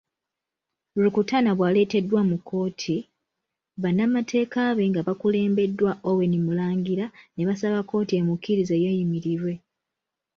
Rukutana bwaleteddwa mu kkooti, bannamateeka be nga bakulembeddwa Owen Mulangira ne basaba kkooti emukkirize yeeyimirirwe.